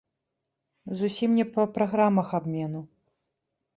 Зусім не па праграмах абмену.